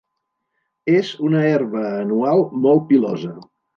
És una herba anual molt pilosa.